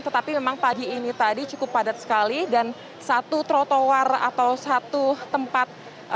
tetapi memang pagi ini tadi cukup padat sekali dan satu trotoar atau satu tempat